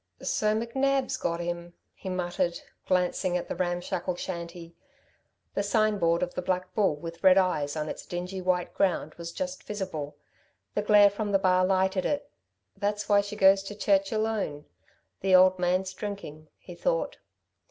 "So McNab's got him," he muttered, glancing at the ramshackle shanty. The sign board of the Black Bull, with red eyes on its dingy white ground, was just visible. The glare from the bar lighted it. "That's why she goes to church alone. The old man's drinking," he thought.